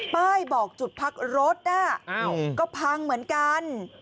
ป้ายบอกจุดพักรถก็พังเหมือนกัน